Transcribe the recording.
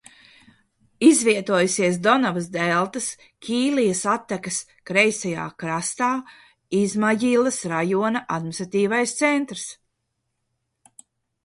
Izvietojusies Donavas deltas Kilijas attekas kreisajā krastā, Izmajilas rajona administratīvais centrs.